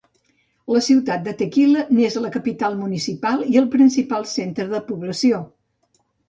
La ciutat de Tequila n'és la capital municipal i el principal centre de població.